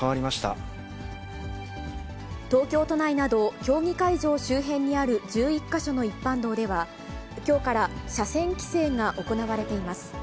東京都内など、競技会場周辺にある１１か所の一般道では、きょうから車線規制が行われています。